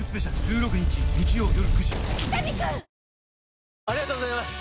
ハローありがとうございます！